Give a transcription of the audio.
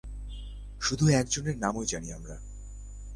শুধু একজনের নামই জানি আমরা।